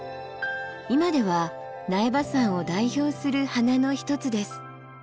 今では苗場山を代表する花の一つです。